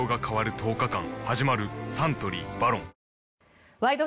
サントリー「ＶＡＲＯＮ」「ワイド！